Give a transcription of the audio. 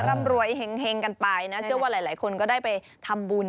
ร่ำรวยเห็งกันไปนะเชื่อว่าหลายคนก็ได้ไปทำบุญ